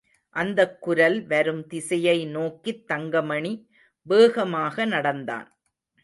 அந்தக் குரல் வரும் திசையை நோக்கித் தங்கமணி வேகமாக நடந்தான்.